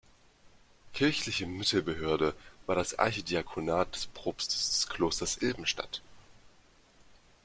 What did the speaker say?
Kirchliche Mittelbehörde war das Archidiakonat des Propstes des Klosters Ilbenstadt.